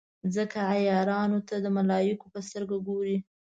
ځکه عیارانو ته د ملایکو په سترګه ګوري.